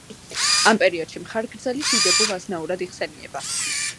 ამ პერიოდში მხარგრძელი დიდებულ აზნაურად იხსენიება.